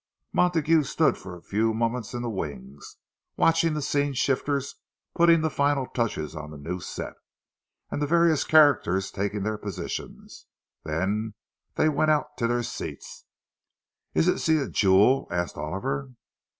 Montague stood for a few moments in the wings, watching the scene shifters putting the final touches to the new set, and the various characters taking their positions. Then they went out to their seats. "Isn't she a jewel?" asked Oliver.